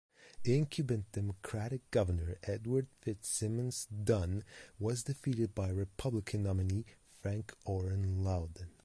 Incumbent Democratic Governor Edward Fitzsimmons Dunne was defeated by Republican nominee Frank Orren Lowden.